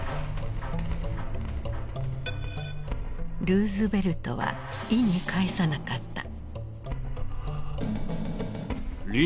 ルーズベルトは意に介さなかった。